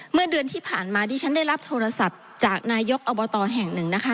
เมื่อเดือนที่ผ่านมาดิฉันได้รับโทรศัพท์จากนายกอบตแห่งหนึ่งนะคะ